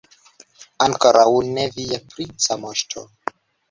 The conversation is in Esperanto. Ankoraŭ ne, via princa moŝto.